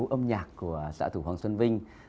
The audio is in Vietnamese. bấm nhạc của xã thủ hoàng xuân vinh